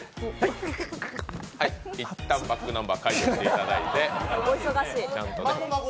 １回、ｂａｃｋｎｕｍｂｅｒ返していただいて。